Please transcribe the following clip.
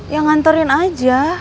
ya nganterin aja